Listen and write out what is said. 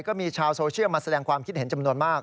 ก็มีชาวโซเชียลมาแสดงความคิดเห็นจำนวนมาก